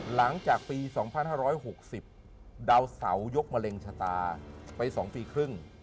หลังจากปี๒๕๖๐ดาวเสายกมะเร็งชะตาไป๒ปีครึ่ง